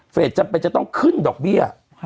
จำเป็นจะต้องขึ้นดอกเบี้ย